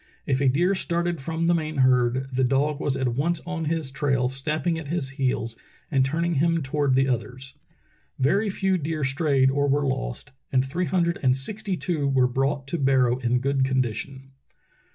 If a deer started from the main herd the dog was at once on his trail, snapping at his heels and turning him toward the others. Very few deer stra3^ed or were lost, and three hundred and sixtj^ two were brought to Barrow in good condition.